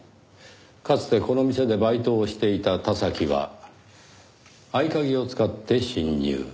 かつてこの店でバイトをしていた田崎は合鍵を使って侵入。